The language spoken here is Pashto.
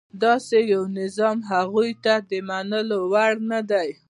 داسې یو نظام هغوی ته د منلو وړ نه دی.